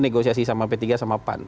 negosiasi sama p tiga sama pan